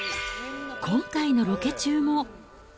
今回のロケ中も。